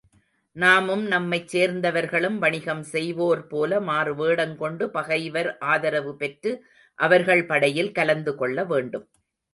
நாமும் நம்மைச் சேர்ந்தவர்களும் வாணிகம் செய்வோர்போல மாறுவேடங் கொண்டு பகைவர் ஆதரவு பெற்று, அவர்கள் படையில் கலந்துகொள்ள வேண்டும்.